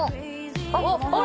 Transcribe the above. あっ！